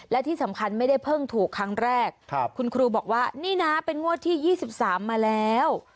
และที่สำคัญไม่ได้เพิ่งถูกครั้งแรกคุณครูบอกว่านี่นะเป็นงวดที่๒๓มาแล้ว